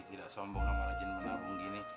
tidak sombong sama rajin menabung gini